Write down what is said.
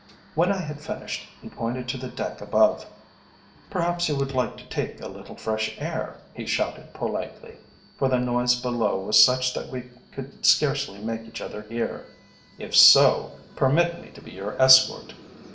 When I had finished he pointed to the deck above. "Perhaps you would like to take a little fresh air," he shouted politely, for the noise below was such that we could scarcely make each other hear. "If so, permit me to be your escort."